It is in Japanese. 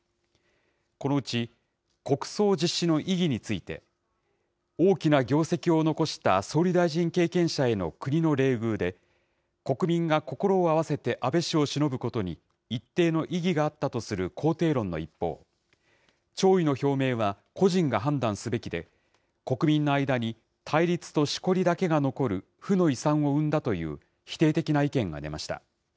このうち国葬実施の意義について、大きな業績を残した総理大臣経験者への国の礼遇で、国民が心を合わせて安倍氏をしのぶことに一定の意義があったとする肯定論の一方、弔意の表明は個人が判断すべきで、国民の間に対立としこりだけが残る、負の遺産を生んだという否定的な意見が出ました。